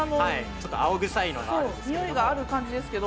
ちょっと青臭いのがあるんで臭いがある感じですけど。